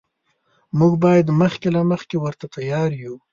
موږ باید مخکې له مخکې ورته تیار یو.